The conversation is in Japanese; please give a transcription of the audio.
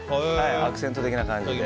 アクセント的な感じで。